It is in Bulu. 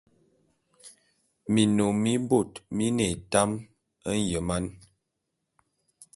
Minnom mibot mine etam enyeman.